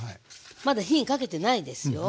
まだ火にかけてないですよ。